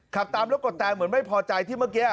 ขับตามแล้วกดแตงเหมือนไม่พอใจที่เมื่อกี้